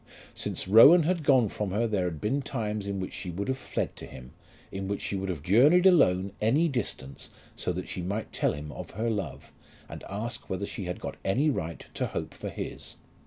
Since Rowan had gone from her there had been times in which she would have fled to him, in which she would have journeyed alone any distance so that she might tell him of her love, and ask whether she had got any right to hope for his.